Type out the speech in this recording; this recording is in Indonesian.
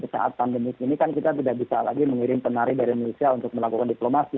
saat pandemi ini kan kita tidak bisa lagi mengirim penari dari indonesia untuk melakukan diplomasi